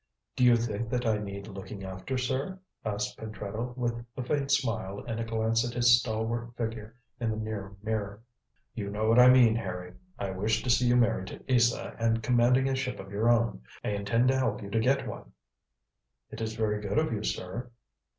"Do you think that I need looking after, sir?" asked Pentreddle, with a faint smile and a glance at his stalwart figure in the near mirror. "You know what I mean, Harry. I wish to see you married to Isa and commanding a ship of your own. I intend to help you to get one." "It is very good of you, sir."